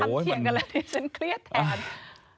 ฟังคำเทียบกันเลยนะที่ฉันเครียดแทน